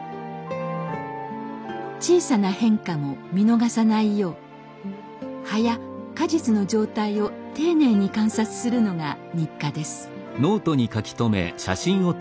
小さな変化も見逃さないよう葉や果実の状態を丁寧に観察するのが日課です。